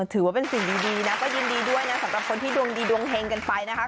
ถือว่าเป็นสิ่งดีนะก็ยินดีด้วยนะสำหรับคนที่ดวงดีดวงเฮงกันไปนะคะ